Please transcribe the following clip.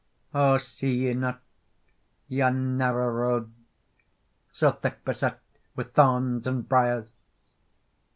"O see ye not yon narrow road, So thick beset with thorns and briers?